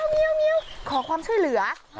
เมียวขอความช่วยเหลือ